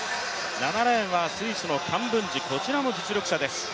７レーンはスイスのカンブンジ、こちらも実力者です。